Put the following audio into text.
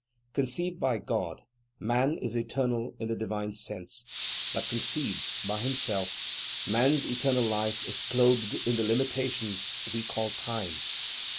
Conceived by God, man is eternal in the divine sense, but conceived, by himself, man's eternal life is clothed in the limitations we call time.